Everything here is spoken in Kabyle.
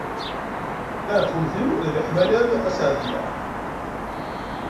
Taɛekkemt-iw d leḥmala-m a Seɛdiya.